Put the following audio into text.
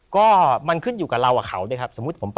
ก็มันขึ้นอยู่กับเรากับเขาด้วยครับ